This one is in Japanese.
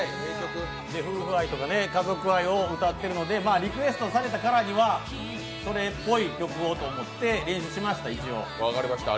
夫婦愛とか家族愛を歌っているのでね、リクエストされたからにはそれっぽい曲をと思って練習しました。